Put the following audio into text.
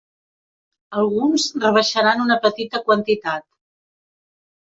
Alguns rebaixaran una petita quantitat.